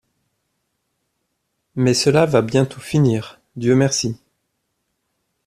Mais cela va bientôt finir, Dieu merci !